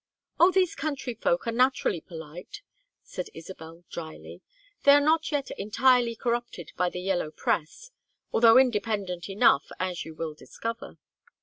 "Oh, these country folk are naturally polite," said Isabel, dryly. "They are not yet entirely corrupted by the yellow press, although independent enough, as you will discover.